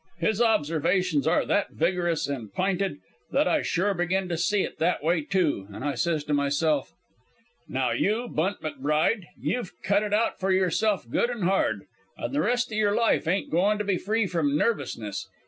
His observations are that vigorous an' p'inted that I sure begin to see it that way, too, and I says to myself: "'Now you, Bunt McBride, you've cut it out for yourself good and hard, an' the rest o' your life ain't goin' to be free from nervousness.